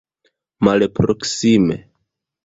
malproksime